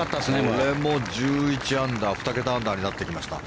これも１１アンダー２桁アンダーになってきました。